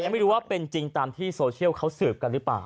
ไม่รู้ว่าเป็นจริงตามที่โซเชียลเขาสืบกันหรือเปล่า